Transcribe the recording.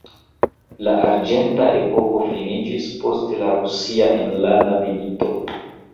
La arĝenta epoko finiĝis post la rusia enlanda milito.